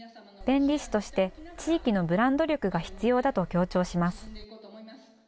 弁理士として、地域のブランド力が必要だと強調します。